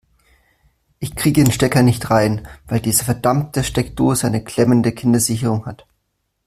Ich kriege den Stecker nicht rein, weil diese verdammte Steckdose eine klemmende Kindersicherung hat.